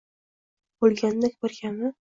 Bo’lganidek bir kami